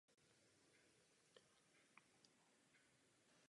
Hra byla vydána v několika verzích.